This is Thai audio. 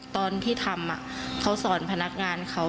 ตอนที่ทำเขาสอนพนักงานเขา